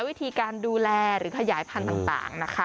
วิธีการดูแลหรือขยายพันธุ์ต่างนะคะ